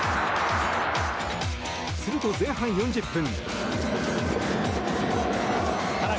すると、前半４０分。